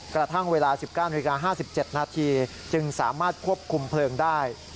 กระทั่งเวลา๑๙นาฬิกา๕๗นาทีจึงสามารถควบคุมเพลิงได้